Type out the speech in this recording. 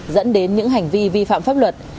dẫn đến những hành vi vi phạm pháp luật